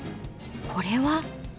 これは。